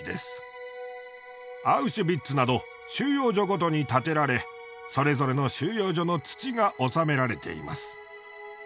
アウシュビッツなど収容所ごとに建てられそれぞれの収容所の土が納められています。